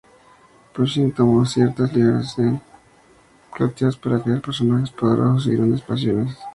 Pushkin se tomó ciertas libertades creativas para crear personajes poderosos y grandes pasiones.